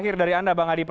kami ini adalah tulus untuk